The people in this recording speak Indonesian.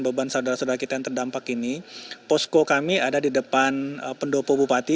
beban saudara saudara kita yang terdampak ini posko kami ada di depan pendopo bupati